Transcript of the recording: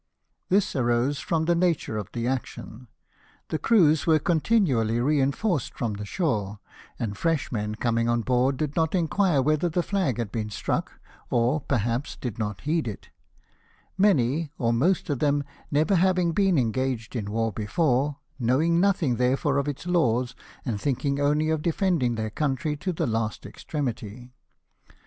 , This arose from the nature of the action. The crews were continually reinforced from the shore, and fresh men coming on board did not inquire whether the flag had been struck, or, perhaps, did not heed it — many, or most of them, never having been engaged in war before — knowing nothing, there fore, of its laws, and thinking only of defending their country to the last extremity.